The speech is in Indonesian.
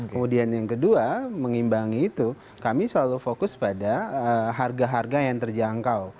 kemudian yang kedua mengimbangi itu kami selalu fokus pada harga harga yang terjangkau